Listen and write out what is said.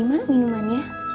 ini mak minuman